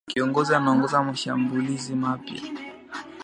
Kiongozi anaongoza mashambulizi mapya